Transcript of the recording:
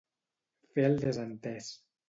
Fer al desentès.